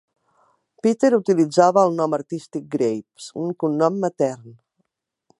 Peter utilitzava el nom artístic "Graves", un cognom matern.